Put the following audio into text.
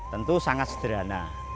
tentu sangat sederhana